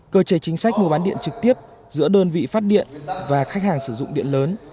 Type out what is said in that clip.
cơ chế chính sách mua bán điện trực tiếp giữa đơn vị phát điện và khách hàng sử dụng điện lớn